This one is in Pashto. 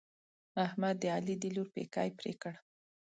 احمد د علي د لور پېکی پرې کړ.